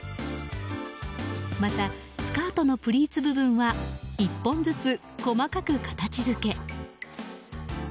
また、スカートのプリーツ部分は１本ずつ、細かく形付け。